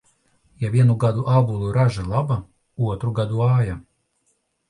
Ja vienu gadu ābolu raža laba, otru gadu vāja.